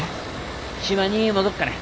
島に戻っかね。